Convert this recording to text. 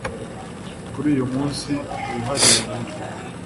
kuri uyu munsi wihariye rero